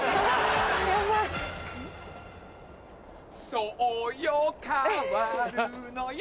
そうよ変わるのよ